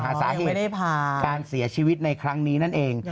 สาเหตุการเสียชีวิตในครั้งนี้นั่นเอง